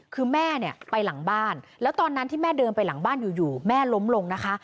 คือแม่เนี่ยไปหลังบ้านแล้วตอนนั้นที่แม่เดินไปหลังบ้านอยู่แม่ล้มลงนะคะ